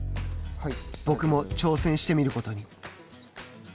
僕も挑戦してみることに。